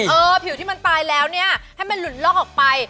ผิวที่มันตายแล้วเนี่ยให้มันหลุดลอกออกไป